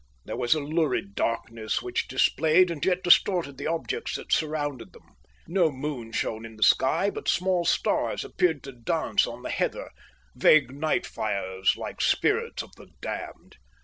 There was a lurid darkness which displayed and yet distorted the objects that surrounded them. No moon shone in the sky, but small stars appeared to dance on the heather, vague night fires like spirits of the damned.